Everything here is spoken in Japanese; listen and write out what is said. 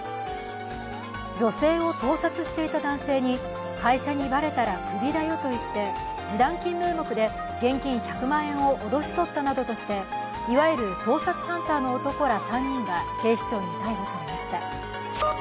女性を盗撮していた男性に、会社にバレたらクビだよと言って示談金名目で現金１００万円を脅し取ったなどとしていわゆる盗撮ハンターの男ら３人が警視庁に逮捕されました。